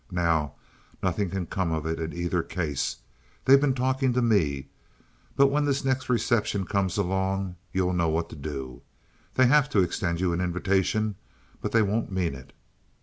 Now, nothing can come of it in either case—they've been talking to me; but when this next reception comes along you'll know what to do. They'll have to extend you an invitation; but they won't mean it."